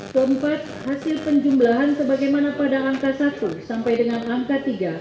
keempat hasil penjumlahan sebagaimana pada angka satu sampai dengan angka tiga